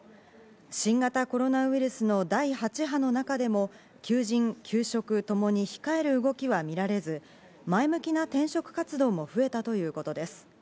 新型コロナウイルスの第８波の中でも、求人、求職ともに控える動きは見られず、前向きな転職活動も増えたということです。